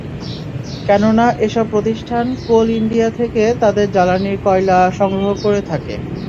কেননা, এসব প্রতিষ্ঠান কোল ইন্ডিয়া থেকে তাদের জ্বালানির কয়লা সংগ্রহ করে থাকে।